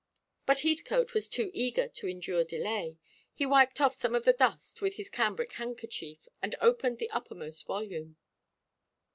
But Heathcote was too eager to endure delay. He wiped off some of the dust with his cambric handkerchief, and opened the uppermost volume.